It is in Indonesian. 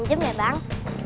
ujem ya bang